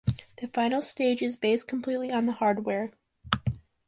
The final stage is based completely on the hardware.